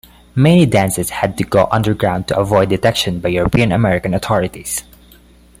Many dances had to go underground to avoid detection by European-American authorities.